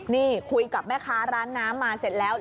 นี่คุยกับแม่ค้าร้านน้ำมาเสร็จแล้ว